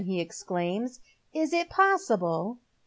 he exclaims, " is it possible